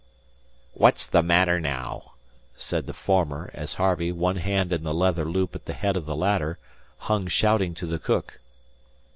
"What's the matter naow?" said the former, as Harvey, one hand in the leather loop at the head of the ladder, hung shouting to the cook.